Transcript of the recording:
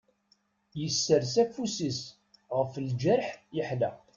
Yessers afus-is ɣef lǧerḥ yeḥla.